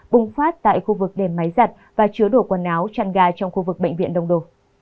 bùng phát tại khu vực để máy giặt và chứa đổ quần áo chăn gà trong khu vực bệnh viện đông đồ